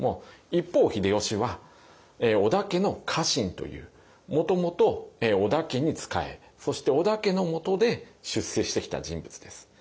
一方秀吉は織田家の家臣というもともと織田家に仕えそして織田家のもとで出世してきた人物です。